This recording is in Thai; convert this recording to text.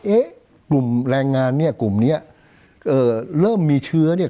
เอ๊ะกลุ่มแรงงานเนี่ยกลุ่มเนี้ยเอ่อเริ่มมีเชื้อเนี่ย